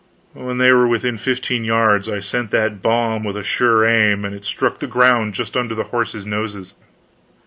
When they were within fifteen yards, I sent that bomb with a sure aim, and it struck the ground just under the horses' noses.